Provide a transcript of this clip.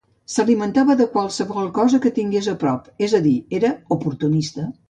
S'alimentava de qualsevol cosa que tingués a prop, és a dir, era oportunista.